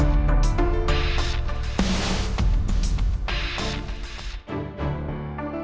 see you again